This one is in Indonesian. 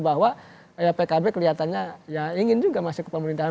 bahwa pkb kelihatannya ya ingin juga masuk ke pemerintahan